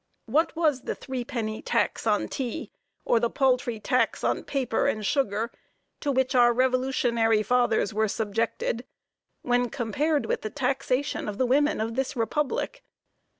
What was the three penny tax on tea, or the paltry tax on paper and sugar to which our revolutionary fathers were subjected, when compared with the taxation of the women of this Republic?